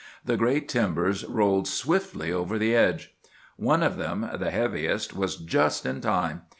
The great timbers rolled swiftly over the edge. "One of them, the heaviest, was just in time.